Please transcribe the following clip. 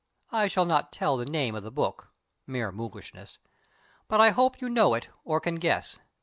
I shall not tell the name of the book (mere mulishness!) but I hope you know it or can guess.